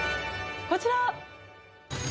こちら。